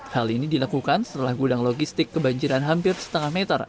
hal ini dilakukan setelah gudang logistik kebanjiran hampir setengah meter